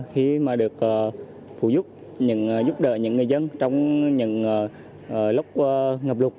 khi mà được phụ giúp giúp đỡ những người dân trong những lúc ngập lục